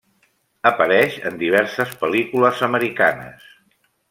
Apareix en diverses pel·lícules americanes.